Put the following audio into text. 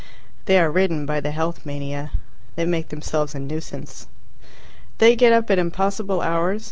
They are ridden by the Health Mania. They make themselves a nuisance. They get up at impossible hours.